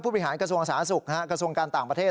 ผู้บริหารกระทรวงสารคกระทรวงการต่างประเทศ